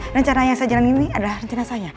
rencana yang saya jalani ini adalah rencana saya